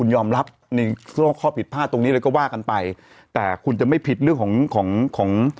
ยอมรับในข้อผิดพลาดตรงนี้เลยก็ว่ากันไปแต่คุณจะไม่ผิดเรื่องของของของของ